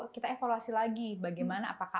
kita evaluasi lagi bagaimana apakah